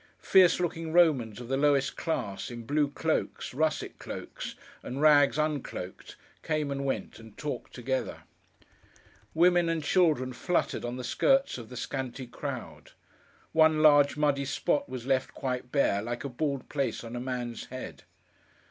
Fierce looking Romans of the lowest class, in blue cloaks, russet cloaks, and rags uncloaked, came and went, and talked together. Women and children fluttered, on the skirts of the scanty crowd. One large muddy spot was left quite bare, like a bald place on a man's head.